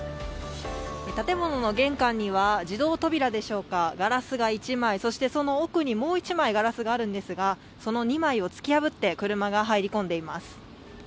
建物の玄関には自動扉でしょうか、ガラスが１枚そしてその奥にもう一枚、ガラスがあるんですが、その２枚を突き破って車が入り込んでいます。